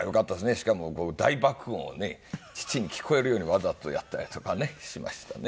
しかも大爆音をね父に聞こえるようにわざとやったりとかねしましたね。